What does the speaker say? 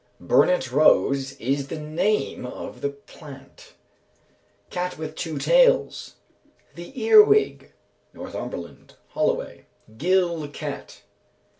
_ Burnet Rose is the name of the plant. Cat with two tails. The earwig. Northumberland; Holloway. _Gil cat.